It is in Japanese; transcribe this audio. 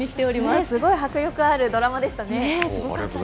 すごい迫力あるドラマでしたね。